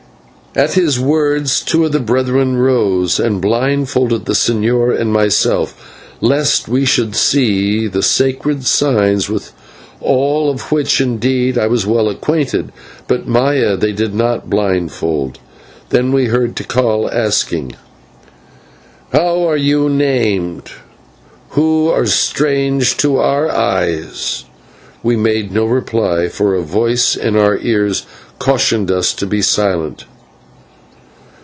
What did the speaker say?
At his words two of the brethren rose and blindfolded the señor and myself, lest we should see the sacred signs, with all of which, indeed, I was well acquainted, but Maya they did not blindfold. Then we heard Tikal asking: "How are you named who are strange to our eyes?" We made no reply, for a voice in our ears cautioned us to be silent.